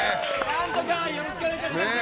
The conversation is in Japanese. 何とかよろしくお願いいたします。